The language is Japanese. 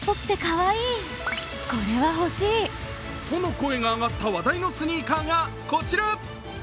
との声が上がった話題のスニーカーがこちら。